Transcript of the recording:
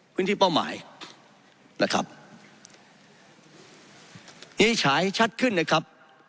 พื้นที่เป้าหมายนะครับ